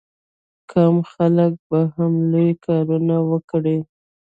کم خلک به هم لوی کارونه وکړي.